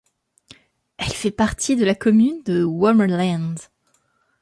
Elle fait partie de la commune de Wormerland.